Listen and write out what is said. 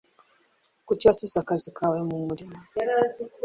Kuki wasize akazi kawe mu murima? (wwkudu)